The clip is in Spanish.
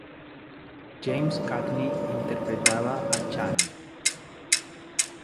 James Cagney interpretaba a Chaney.